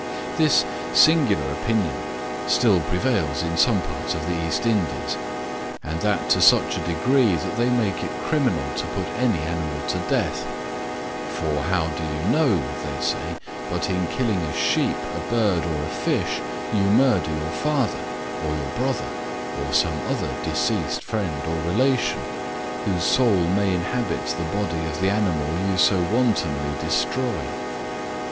This singular opinion still prevails in some part of the Eastindies; and that to such a degree that they make it criminal to put any animal to death: "For how do you know, say they, but in killing a sheep, a bird, or a fish, you murder your father, or your brother, or some other deceased friend or relation, whose soul may inhabit the body of the animal you so wantonly destroy?"